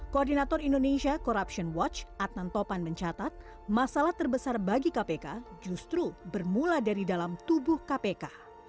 koordinator indonesia corruption watch adnan topan mencatat masalah terbesar bagi kpk justru bermula dari dalam tubuh kpk